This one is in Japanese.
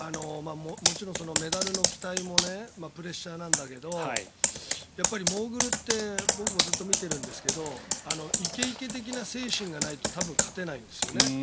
もちろんメダルの期待もプレッシャーなんだけどやっぱりモーグルって僕もずっと見てるんですけどイケイケ的な精神がないと多分、勝てないんですよね。